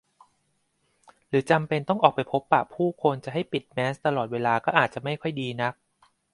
หรือจำเป็นต้องออกไปพบปะผู้คนจะให้ปิดแมสก์ตลอดเวลาก็อาจจะไม่ค่อยดีนัก